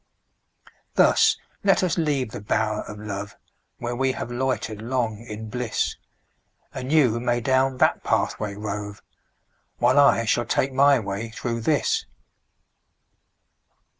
Thus let us leave the bower of love, Where we have loitered long in bliss; And you may down that pathway rove, While I shall take my way through this.